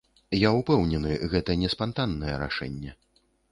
Я ўпэўнены, гэта не спантаннае рашэнне.